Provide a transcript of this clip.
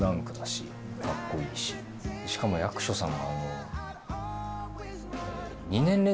しかも役所さん。